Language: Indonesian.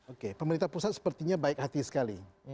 oke pemerintah pusat sepertinya baik hati sekali